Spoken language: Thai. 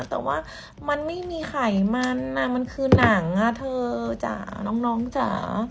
แต่ว่ามันไม่มีไขมันมันคือหนังอ่ะเธอจ๋าน้องจ๋า